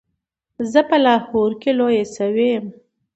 زه په لاهور کې لویه شوې یم.